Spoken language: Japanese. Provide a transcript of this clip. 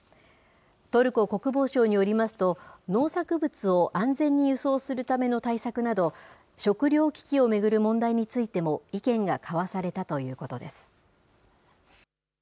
トルコ国防省によりますと、農作物を安全に輸送するための対策など、食糧危機を巡る問題についても意見が交わされたということです。